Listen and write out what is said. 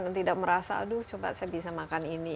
dan tidak merasa aduh coba saya bisa makan ini